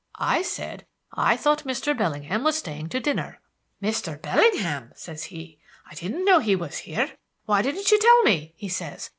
I said I thought Mr. Bellingham was staying to dinner. "'Mr. Bellingham!' says he. 'I didn't know he was here. Why didn't you tell me?' he says.